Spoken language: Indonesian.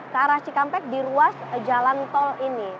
ke arah cikampek di ruas jalan tol ini